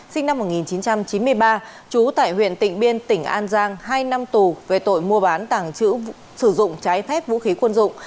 sinh năm một nghìn chín trăm chín mươi ba trú tại huyện tịnh biên tỉnh an giang hai năm tù về tội mua bán tàng trữ sử dụng trái phép vũ khí quân dụng